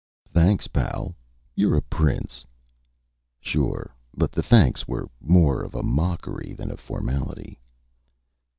"Thanks, pal.... You're a prince...." Sure but the thanks were more of a mockery than a formality.